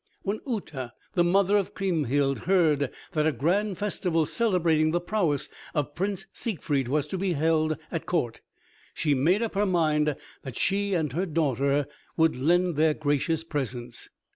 When Uté, the mother of Kriemhild, heard that a grand festival celebrating the prowess of Prince Siegfried was to be held at court, she made up her mind that she and her daughter would lend their gracious presence.